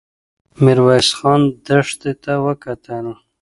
ميرويس خان دښتې ته وکتل.